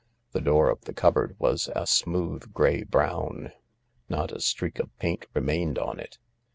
The door of the cupboard was a smooth grey brown. Not a streak of paint remained on it.